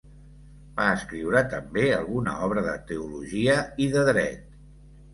Va escriure també alguna obra de teologia i de dret.